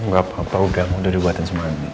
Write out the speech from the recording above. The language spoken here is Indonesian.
gapapa udah udah dibuatin semangat